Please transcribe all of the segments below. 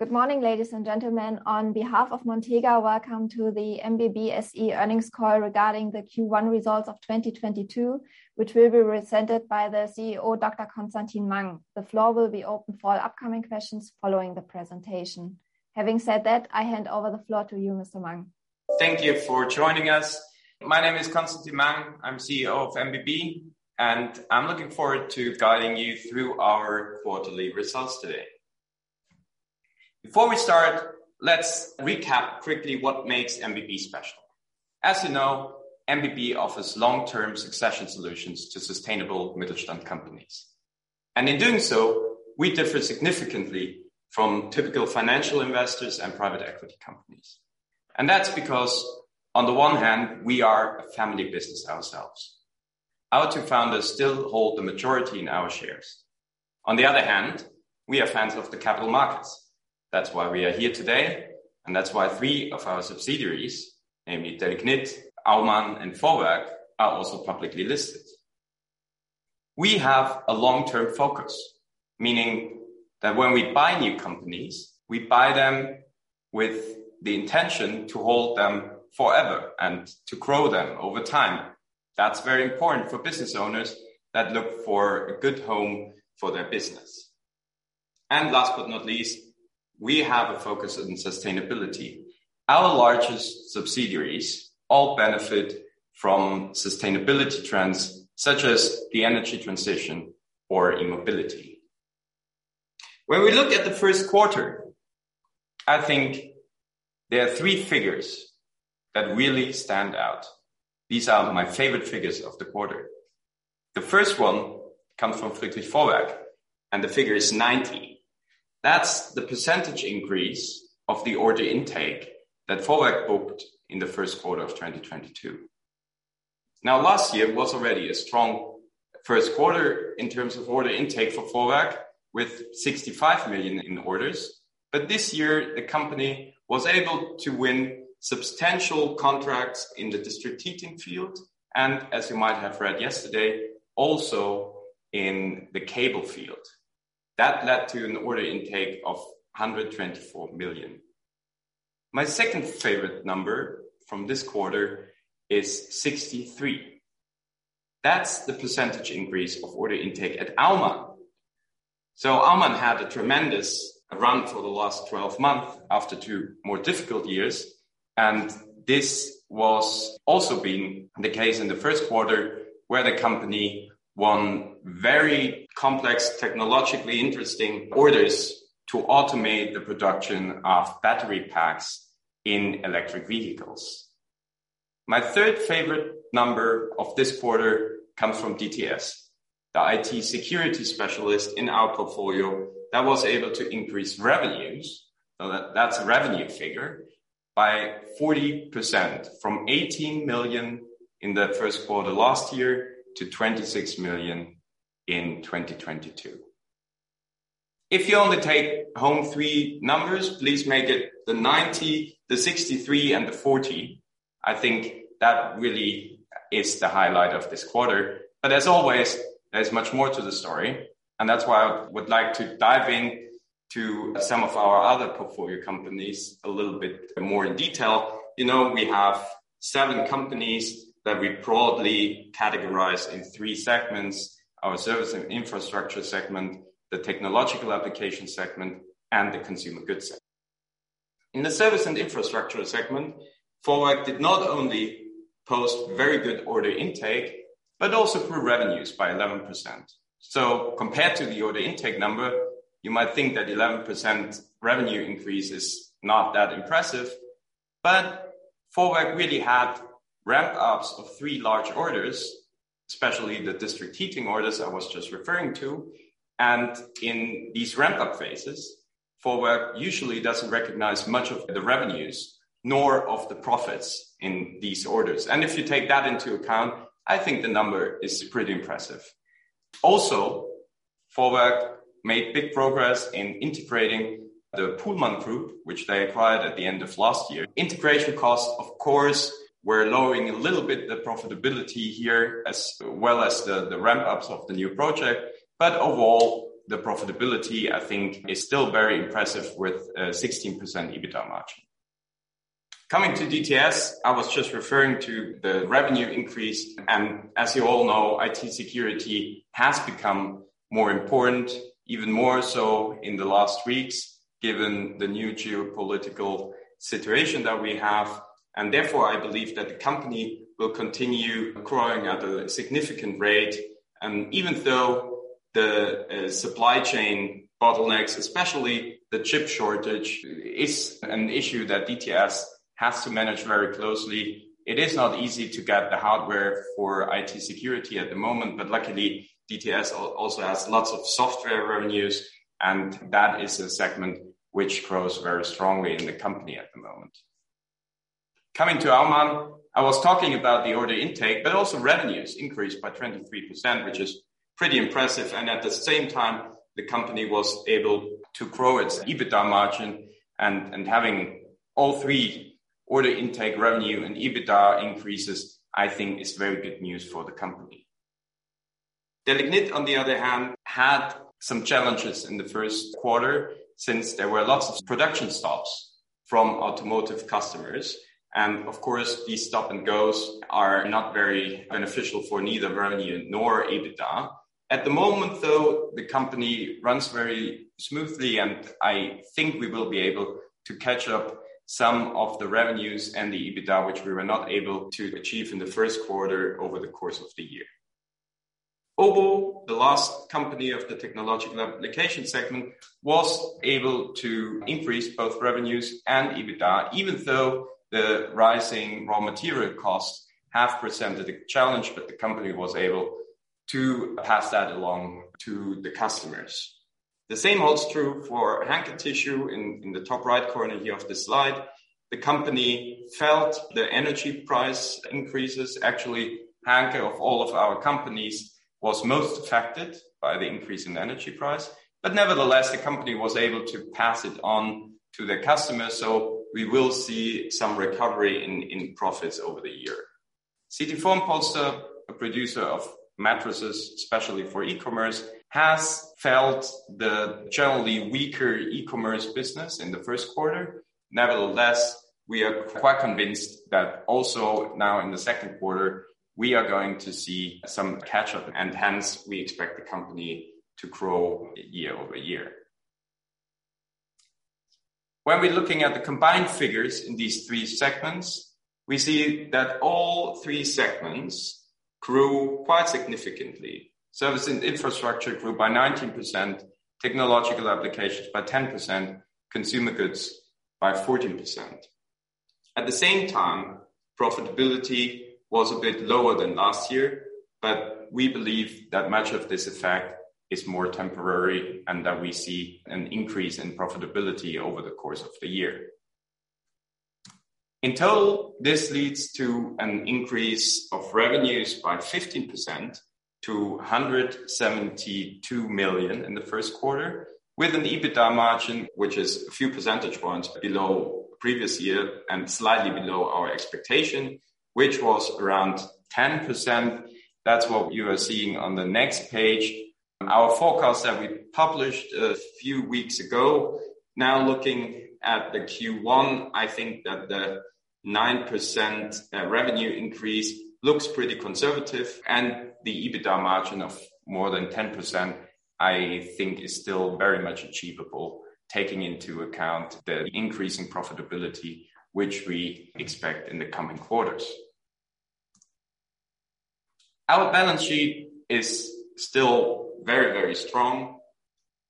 Good morning, ladies and gentlemen. On behalf of Montega, welcome to the MBB SE earnings call regarding the Q1 results of 2022, which will be presented by the CEO, Dr. Constantin Mang. The floor will be open for upcoming questions following the presentation. Having said that, I hand over the floor to you, Mr. Mang. Thank you for joining us. My name is Constantin Mang. I'm CEO of MBB, and I'm looking forward to guiding you through our quarterly results today. Before we start, let's recap quickly what makes MBB special. As you know, MBB offers long-term succession solutions to sustainable Mittelstand companies. In doing so, we differ significantly from typical financial investors and private equity companies. That's because on the one hand, we are a family business ourselves. Our two founders still hold the majority in our shares. On the other hand, we are fans of the capital markets. That's why we are here today, and that's why three of our subsidiaries, namely Delignit, Aumann and Friedrich Vorwerk, are also publicly listed. We have a long-term focus, meaning that when we buy new companies, we buy them with the intention to hold them forever and to grow them over time. That's very important for business owners that look for a good home for their business. Last but not least, we have a focus on sustainability. Our largest subsidiaries all benefit from sustainability trends such as the energy transition or e-mobility. When we look at the Q1, I think there are three figures that really stand out. These are my favorite figures of the quarter. The first one comes from Friedrich Vorwerk, and the figure is 90%. That's the percentage increase of the order intake that Vorwerk booked in the Q1 of 2022. Now, last year was already a strong Q1 in terms of order intake for Vorwerk with 65 million in orders. This year, the company was able to win substantial contracts in the district heating field and as you might have read yesterday, also in the cable field. That led to an order intake of 124 million. My second favorite number from this quarter is 63. That's the percentage increase of order intake at Aumann. Aumann had a tremendous run for the last 12 months after two more difficult years, and this was also been the case in the Q1 where the company won very complex, technologically interesting orders to automate the production of battery packs in electric vehicles. My third favorite number of this quarter comes from DTS, the IT security specialist in our portfolio that was able to increase revenues, so that's a revenue figure, by 40% from 18 million in the Q1 last year to 26 million in 2022. If you only take home three numbers, please make it the 90, the 63 and the 40. I think that really is the highlight of this quarter. As always, there's much more to the story, and that's why I would like to dive in to some of our other portfolio companies a little bit more in detail. You know, we have seven companies that we broadly categorize in three segments: our service and infrastructure segment, the technological application segment, and the consumer goods segment. In the service and infrastructure segment, Vorwerk did not only post very good order intake, but also grew revenues by 11%. Compared to the order intake number, you might think that 11% revenue increase is not that impressive. Vorwerk really had ramp ups of three large orders, especially the district heating orders I was just referring to. In these ramp up phases, Vorwerk usually doesn't recognize much of the revenues nor of the profits in these orders. If you take that into account, I think the number is pretty impressive. Also, Vorwerk made big progress in integrating the Puhlmann Group, which they acquired at the end of last year. Integration costs of course were lowering a little bit the profitability here as well as the ramp ups of the new project. Overall, the profitability I think is still very impressive with a 16% EBITDA margin. Coming to DTS, I was just referring to the revenue increase, and as you all know, IT security has become more important, even more so in the last weeks, given the new geopolitical situation that we have. Therefore, I believe that the company will continue growing at a significant rate. Even though the supply chain bottlenecks, especially the chip shortage, is an issue that DTS has to manage very closely, it is not easy to get the hardware for IT security at the moment. Luckily, DTS also has lots of software revenues, and that is a segment which grows very strongly in the company at the moment. Coming to Aumann, I was talking about the order intake, but also revenues increased by 23%, which is pretty impressive. At the same time, the company was able to grow its EBITDA margin and having all three order intake revenue and EBITDA increases, I think is very good news for the company. Delignit, on the other hand, had some challenges in the Q1 since there were lots of production stops from automotive customers, and of course, these stop and goes are not very beneficial for neither revenue nor EBITDA. At the moment, though, the company runs very smoothly, and I think we will be able to catch up some of the revenues and the EBITDA which we were not able to achieve in the Q1 over the course of the year. OBO, the last company of the technological application segment, was able to increase both revenues and EBITDA, even though the rising raw material costs have presented a challenge, but the company was able to pass that along to the customers. The same holds true for Hanke Tissue in the top right corner here of the slide. The company felt the energy price increases. Actually, Hanke of all of our companies was most affected by the increase in energy price. Nevertheless, the company was able to pass it on to their customers, so we will see some recovery in profits over the year. CT Formpolster, a producer of mattresses, especially for e-commerce, has felt the generally weaker e-commerce business in the Q1. Nevertheless, we are quite convinced that also now in the Q2, we are going to see some catch-up, and hence we expect the company to grow year over year. When we're looking at the combined figures in these three segments, we see that all three segments grew quite significantly. Services and infrastructure grew by 19%, technological applications by 10%, consumer goods by 14%. At the same time, profitability was a bit lower than last year, but we believe that much of this effect is more temporary and that we see an increase in profitability over the course of the year. In total, this leads to an increase of revenues by 15% to 172 million in the Q2, with an EBITDA margin which is a few percentage points below previous year and slightly below our expectation, which was around 10%. That's what you are seeing on the next page. Our forecast that we published a few weeks ago. Now, looking at the Q1, I think that the 9% revenue increase looks pretty conservative, and the EBITDA margin of more than 10%, I think, is still very much achievable, taking into account the increase in profitability which we expect in the coming quarters. Our balance sheet is still very, very strong.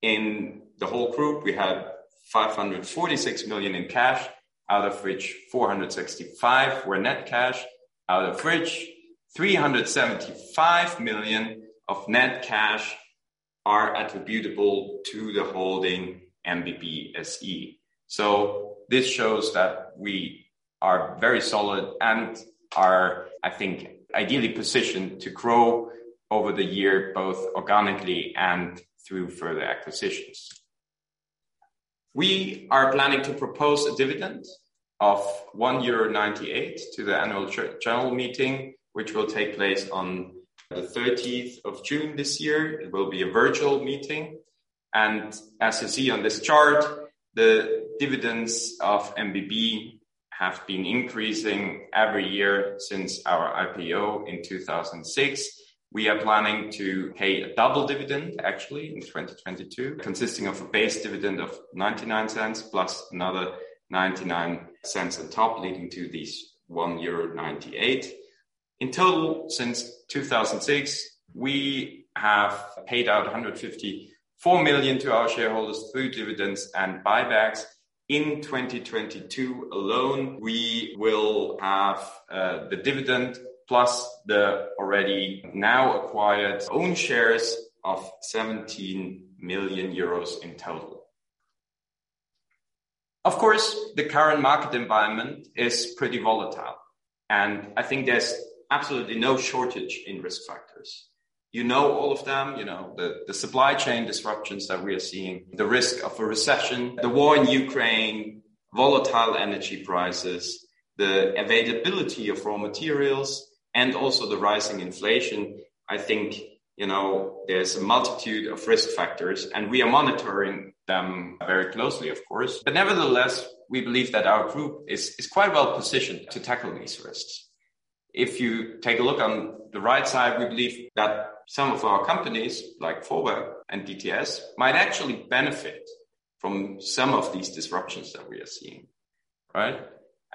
In the whole group, we had 546 million in cash, out of which 465 were net cash, out of which 375 million of net cash are attributable to the holding MBB SE. This shows that we are very solid and are, I think, ideally positioned to grow over the year, both organically and through further acquisitions. We are planning to propose a dividend of 1.98 euro to the annual general meeting, which will take place on the 13th of June this year. It will be a virtual meeting. As you see on this chart, the dividends of MBB have been increasing every year since our IPO in 2006. We are planning to pay a double dividend actually in 2022, consisting of a base dividend of 0.99 plus another 0.99 on top, leading to this 1.98. In total, since 2006, we have paid out 154 million to our shareholders through dividends and buybacks. In 2022 alone, we will have the dividend plus the already now acquired own shares of 17 million euros in total. Of course, the current market environment is pretty volatile, and I think there's absolutely no shortage in risk factors. You know all of them. You know, the supply chain disruptions that we are seeing, the risk of a recession, the war in Ukraine, volatile energy prices, the availability of raw materials, and also the rising inflation. I think, you know, there's a multitude of risk factors, and we are monitoring them very closely of course. Nevertheless, we believe that our group is quite well positioned to tackle these risks. If you take a look on the right side, we believe that some of our companies, like Friedrich Vorwerk and DTS, might actually benefit from some of these disruptions that we are seeing. Right?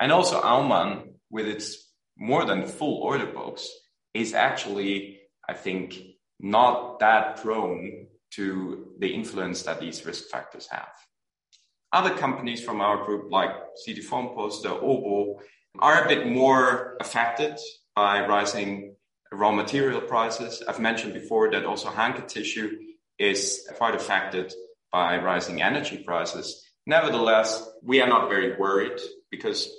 Also, Aumann with its more than full order books is actually, I think, not that prone to the influence that these risk factors have. Other companies from our group, like CT Formpolster, OBO, are a bit more affected by rising raw material prices. I've mentioned before that also Hanke Tissue is quite affected by rising energy prices. Nevertheless, we are not very worried because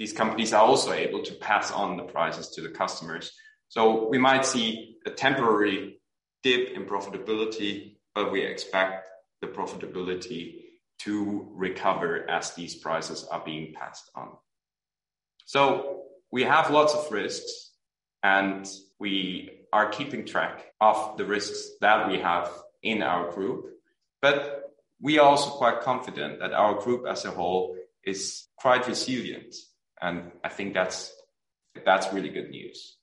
these companies are also able to pass on the prices to the customers. We might see a temporary dip in profitability, but we expect the profitability to recover as these prices are being passed on. We have lots of risks, and we are keeping track of the risks that we have in our group. We are also quite confident that our group as a whole is quite resilient, and I think that's really good news.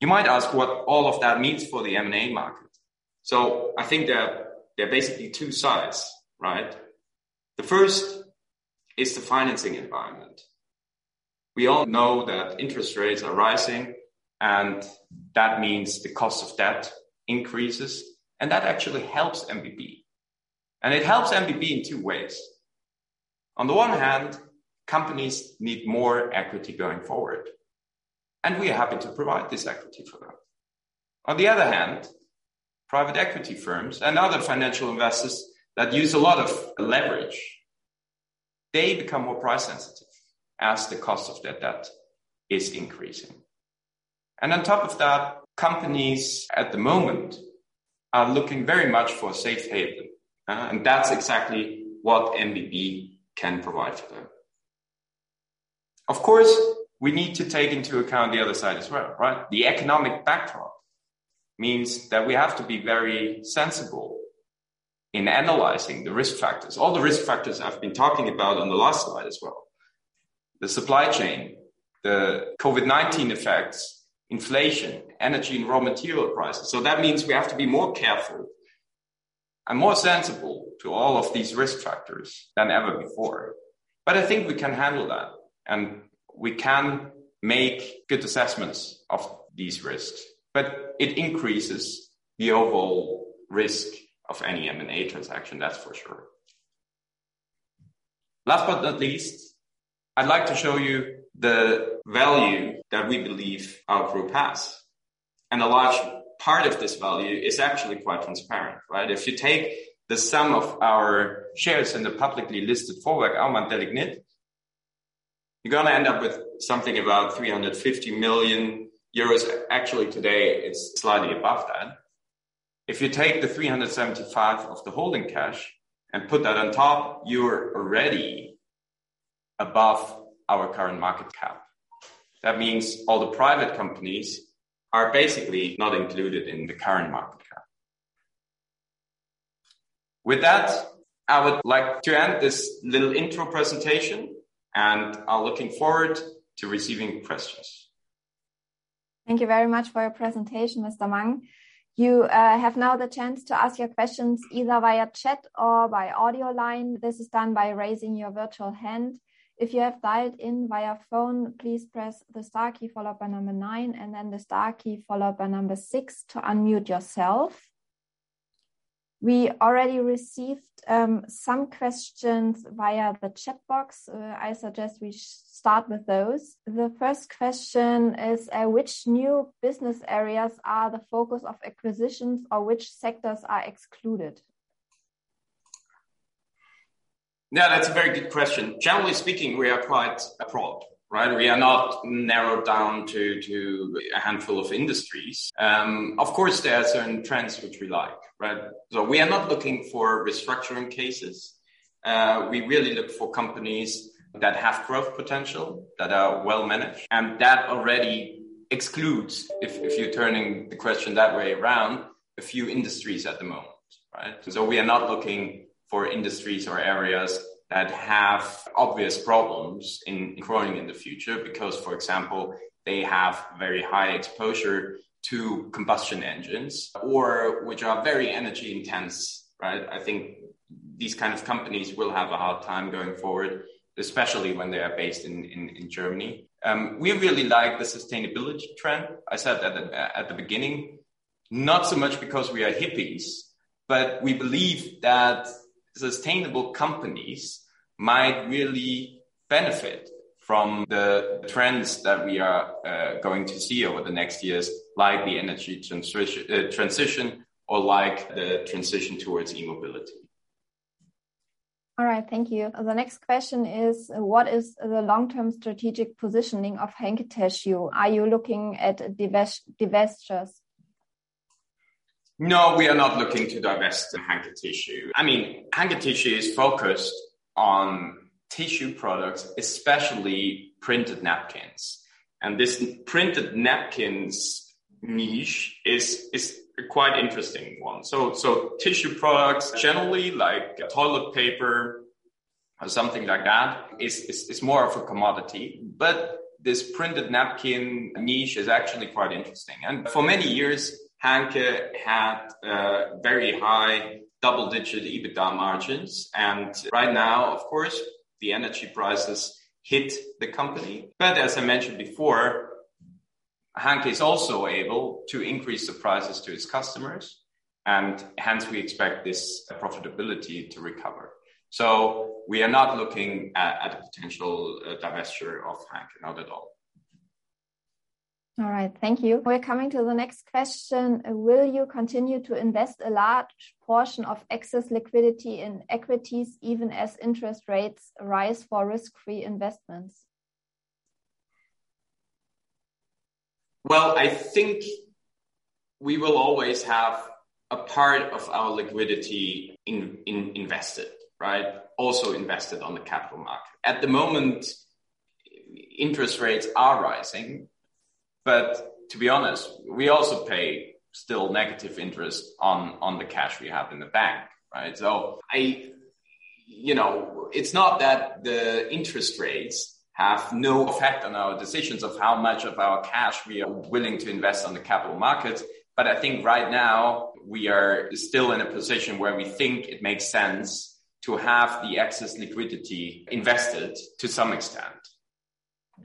You might ask what all of that means for the M&A market. I think there are basically two sides, right? The first is the financing environment. We all know that interest rates are rising, and that means the cost of debt increases, and that actually helps MBB. It helps MBB in two ways. On the one hand, companies need more equity going forward, and we are happy to provide this equity for them. On the other hand, private equity firms and other financial investors that use a lot of leverage, they become more price sensitive as the cost of their debt is increasing. On top of that, companies at the moment are looking very much for a safe haven, and that's exactly what MBB can provide for them. Of course, we need to take into account the other side as well, right? The economic backdrop means that we have to be very sensible in analyzing the risk factors. All the risk factors I've been talking about on the last slide as well. The supply chain, the COVID-19 effects, inflation, energy and raw material prices. That means we have to be more careful and more sensible to all of these risk factors than ever before. I think we can handle that, and we can make good assessments of these risks. It increases the overall risk of any M&A transaction, that's for sure. Last but not least, I'd like to show you the value that we believe our group has. A large part of this value is actually quite transparent, right? If you take the sum of our shares in the publicly listed Friedrich Vorwerk, Aumann, Delignit, you're gonna end up with something about 350 million euros. Actually today, it's slightly above that. If you take the 375 million of the holding cash and put that on top, you're already above our current market cap. That means all the private companies are basically not included in the current market cap. With that, I would like to end this little intro presentation, and I'm looking forward to receiving questions. Thank you very much for your presentation, Mr. Mang. You have now the chance to ask your questions either via chat or by audio line. This is done by raising your virtual hand. If you have dialed in via phone, please press the star key followed by nine and then the star key followed by six to unmute yourself. We already received some questions via the chat box. I suggest we start with those. The first question is, which new business areas are the focus of acquisitions or which sectors are excluded? Now, that's a very good question. Generally speaking, we are quite broad, right? We are not narrowed down to a handful of industries. Of course, there are certain trends which we like, right? We are not looking for restructuring cases. We really look for companies that have growth potential, that are well-managed, and that already excludes, if you're turning the question that way around, a few industries at the moment, right? We are not looking for industries or areas that have obvious problems in growing in the future because, for example, they have very high exposure to combustion engines or which are very energy intense, right? I think these kind of companies will have a hard time going forward, especially when they are based in Germany. We really like the sustainability trend. I said that at the beginning. Not so much because we are hippies, but we believe that sustainable companies might really benefit from the trends that we are going to see over the next years, like the energy transition or like the transition towards e-mobility. All right. Thank you. The next question is, what is the long-term strategic positioning of Hanke Tissue? Are you looking at divestitures? No, we are not looking to divest Hanke Tissue. I mean, Hanke Tissue is focused on tissue products, especially printed napkins. This printed napkins niche is a quite interesting one. Tissue products generally like toilet paper or something like that is more of a commodity. This printed napkin niche is actually quite interesting. For many years, Hanke had very high double-digit EBITDA margins. Right now, of course, the energy prices hit the company. As I mentioned before, Hanke is also able to increase the prices to its customers, and hence we expect this profitability to recover. We are not looking at a potential divestiture of Hanke. Not at all. All right. Thank you. We're coming to the next question. Will you continue to invest a large portion of excess liquidity in equities even as interest rates rise for risk-free investments? Well, I think we will always have a part of our liquidity in invested, right? Also invested on the capital market. At the moment, interest rates are rising, but to be honest, we also pay still negative interest on the cash we have in the bank, right? You know, it's not that the interest rates have no effect on our decisions of how much of our cash we are willing to invest on the capital markets, but I think right now we are still in a position where we think it makes sense to have the excess liquidity invested to some extent.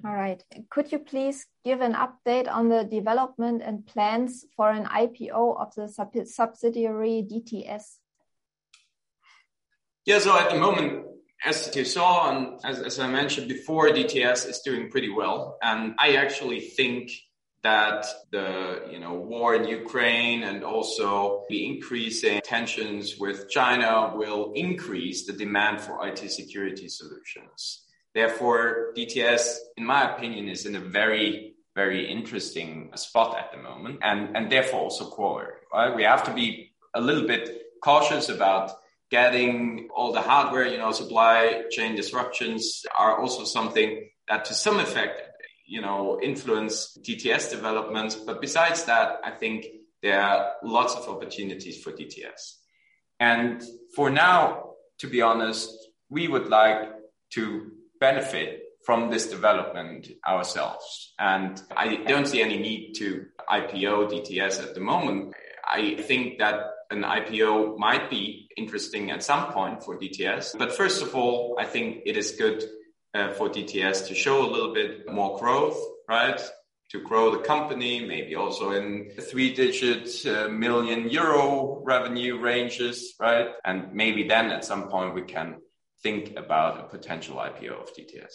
All right. Could you please give an update on the development and plans for an IPO of the sub-subsidiary DTS? Yeah. At the moment, as you saw and as I mentioned before, DTS is doing pretty well, and I actually think that the, you know, war in Ukraine and also the increasing tensions with China will increase the demand for IT security solutions. Therefore, DTS, in my opinion, is in a very, very interesting spot at the moment and therefore also quarter, right? We have to be a little bit cautious about getting all the hardware. You know, supply chain disruptions are also something that to some effect, you know, influence DTS developments. But besides that, I think there are lots of opportunities for DTS. For now, to be honest, we would like to benefit from this development ourselves. I don't see any need to IPO DTS at the moment. I think that an IPO might be interesting at some point for DTS, but first of all, I think it is good for DTS to show a little bit more growth, right? To grow the company, maybe also in the three digits million euro revenue ranges, right? Maybe then at some point we can think about a potential IPO of DTS.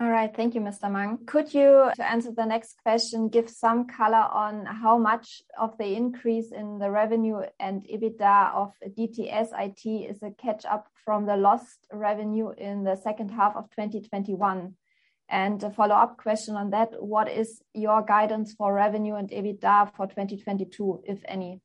All right. Thank you, Mr. Mang. Could you, to answer the next question, give some color on how much of the increase in the revenue and EBITDA of DTS IT is a catch-up from the lost revenue in the second half of 2021? A follow-up question on that, what is your guidance for revenue and EBITDA for 2022, if any?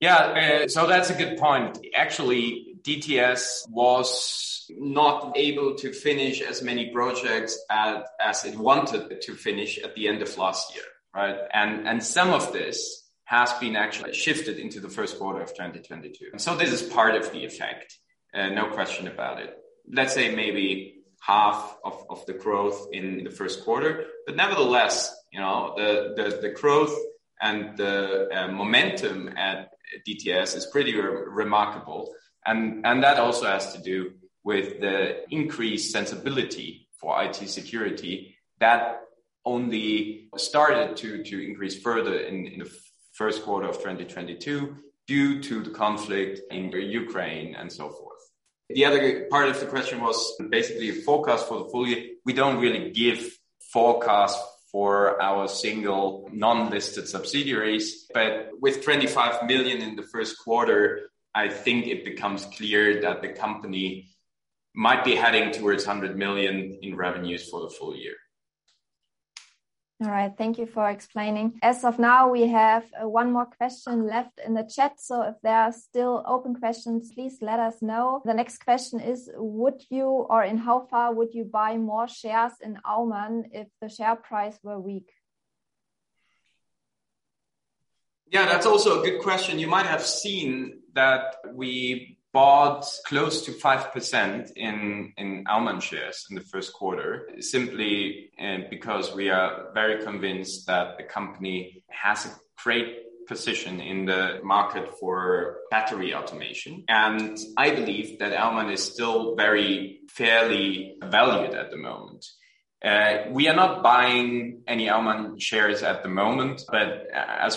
Yeah. So that's a good point. Actually, DTS was not able to finish as many projects as it wanted to finish at the end of last year, right? Some of this has been actually shifted into the Q1 of 2022. This is part of the effect, no question about it. Let's say maybe half of the growth in the Q1. Nevertheless, you know, the growth and the momentum at DTS is pretty remarkable, and that also has to do with the increased sensitivity for IT security that only started to increase further in the Q1 of 2022 due to the conflict in Ukraine and so forth. The other part of the question was basically forecast for the full year. We don't really give forecasts for our single non-listed subsidiaries, but with 25 million in the Q1, I think it becomes clear that the company might be heading towards 100 million in revenues for the full year. All right. Thank you for explaining. As of now, we have one more question left in the chat, so if there are still open questions, please let us know. The next question is: would you or in how far would you buy more shares in Aumann if the share price were weak? Yeah, that's also a good question. You might have seen that we bought close to 5% in Aumann shares in the Q1, simply because we are very convinced that the company has a great position in the market for battery automation, and I believe that Aumann is still very fairly valued at the moment. We are not buying any Aumann shares at the moment.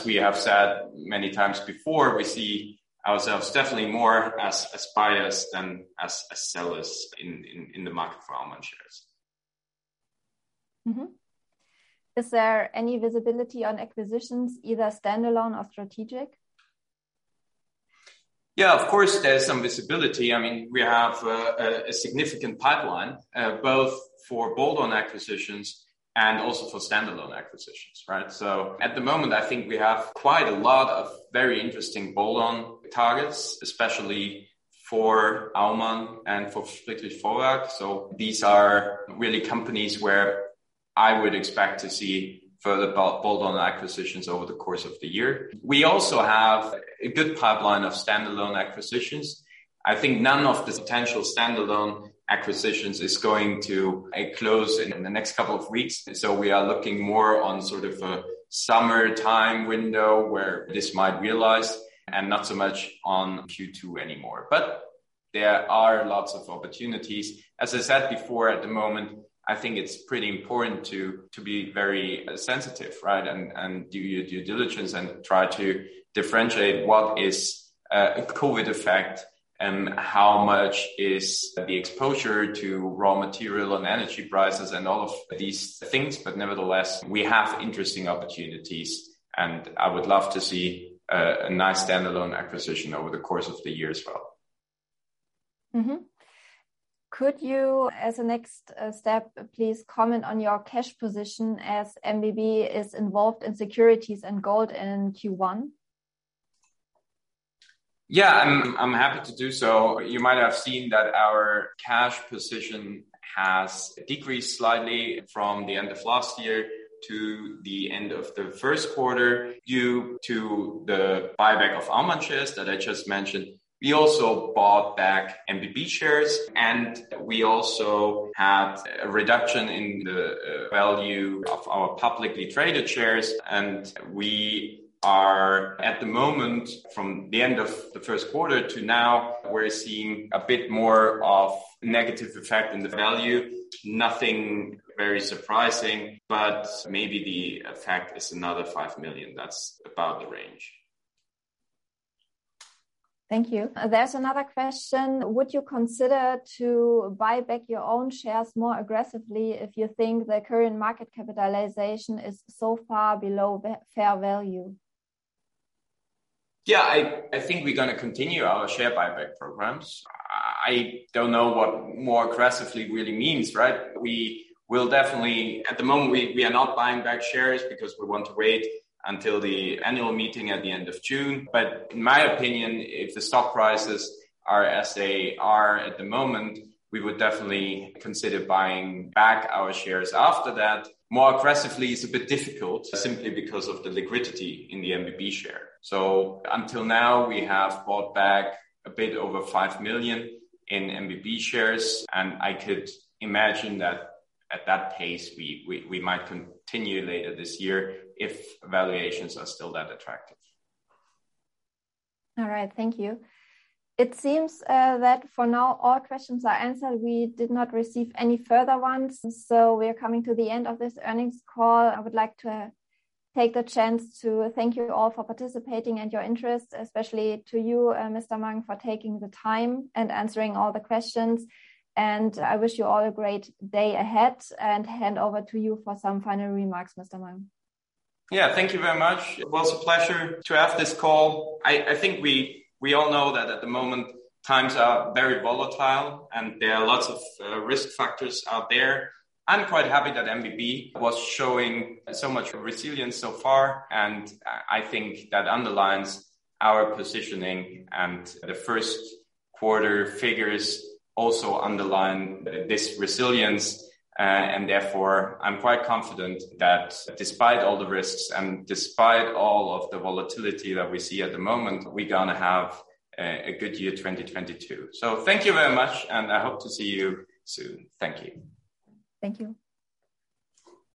We have said many times before, we see ourselves definitely more as buyers than as sellers in the market for Aumann shares. Is there any visibility on acquisitions, either standalone or strategic? Yeah, of course, there's some visibility. I mean, we have a significant pipeline both for bolt-on acquisitions and also for standalone acquisitions, right? At the moment, I think we have quite a lot of very interesting bolt-on targets, especially for Aumann and for Friedrich Vorwerk. These are really companies where I would expect to see further bolt-on acquisitions over the course of the year. We also have a good pipeline of standalone acquisitions. I think none of the potential standalone acquisitions is going to close in the next couple of weeks. We are looking more on sort of a summer time window where this might realize, and not so much on Q2 anymore. There are lots of opportunities. As I said before, at the moment, I think it's pretty important to be very sensitive, right, and do your due diligence and try to differentiate what is a COVID effect and how much is the exposure to raw material and energy prices and all of these things. Nevertheless, we have interesting opportunities, and I would love to see a nice standalone acquisition over the course of the year as well. Could you, as a next step, please comment on your cash position as MBB is involved in securities and gold in Q1? Yeah. I'm happy to do so. You might have seen that our cash position has decreased slightly from the end of last year to the end of the Q1 due to the buyback of Aumann shares that I just mentioned. We also bought back MBB shares, and we also had a reduction in the value of our publicly traded shares. We are at the moment, from the end of the Q1 to now, we're seeing a bit more of negative effect in the value. Nothing very surprising, but maybe the effect is another 5 million. That's about the range. Thank you. There's another question: Would you consider to buy back your own shares more aggressively if you think the current market capitalization is so far below the fair value? Yeah. I think we're gonna continue our share buyback programs. I don't know what more aggressively really means, right? We will definitely. At the moment, we are not buying back shares because we want to wait until the annual meeting at the end of June. In my opinion, if the stock prices are as they are at the moment, we would definitely consider buying back our shares after that. More aggressively is a bit difficult simply because of the liquidity in the MBB share. Until now, we have bought back a bit over 5 million in MBB shares, and I could imagine that at that pace, we might continue later this year if valuations are still that attractive. All right. Thank you. It seems that for now all questions are answered. We did not receive any further ones, so we're coming to the end of this earnings call. I would like to take the chance to thank you all for participating and your interest, especially to you, Mr. Mang, for taking the time and answering all the questions. I wish you all a great day ahead, and hand over to you for some final remarks, Mr. Mang. Yeah. Thank you very much. It was a pleasure to have this call. I think we all know that at the moment times are very volatile and there are lots of risk factors out there. I'm quite happy that MBB was showing so much resilience so far, and I think that underlines our positioning. The Q1 figures also underline this resilience. Therefore I'm quite confident that despite all the risks and despite all of the volatility that we see at the moment, we're gonna have a good year 2022. Thank you very much, and I hope to see you soon. Thank you. Thank you.